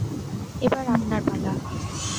এবার আপনার পালা।